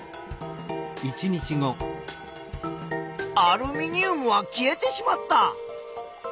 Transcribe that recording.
アルミニウムは消えてしまった。